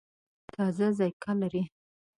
نوې میوه تازه ذایقه لري